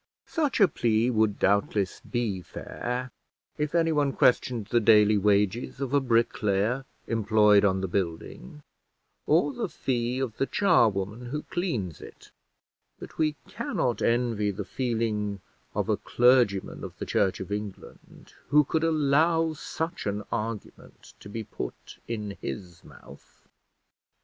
Such a plea would doubtless be fair, if anyone questioned the daily wages of a bricklayer employed on the building, or the fee of the charwoman who cleans it; but we cannot envy the feeling of a clergyman of the Church of England who could allow such an argument to be put in his mouth.